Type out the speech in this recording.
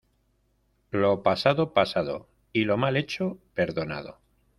Lo pasado, pasado, y lo mal hecho, perdonado.